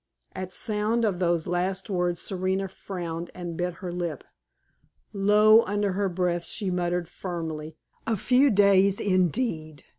At sound of those last words Serena frowned and bit her lip. Low under her breath, she muttered firmly: "A few days, indeed!